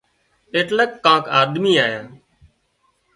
ايٽليڪ ڪانڪ آۮمي آيا